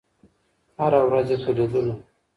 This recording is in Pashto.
هره ورځ یې په لېدلو